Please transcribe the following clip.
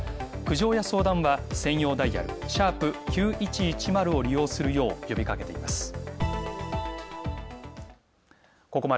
苦情や相談は専用ダイヤル＃９１１０を利用するよう呼びかけています。